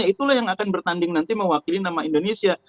itulah yang akan bertanding nanti mewakili nama indonesia